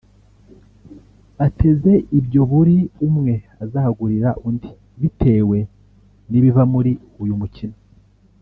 bateze ibyo buri umwe azagurira undi bitewe n’ibiva muri uyu mukino